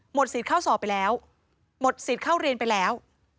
สิทธิ์เข้าสอบไปแล้วหมดสิทธิ์เข้าเรียนไปแล้ว